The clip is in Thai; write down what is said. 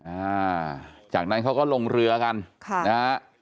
อ่าจากนั้นเขาก็ลงเรือกันค่ะนะฮะ